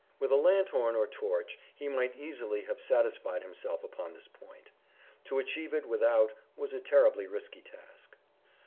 With a lanthorn or torch he might easily have satisfied himself upon this point. To achieve it without was a terribly risky task.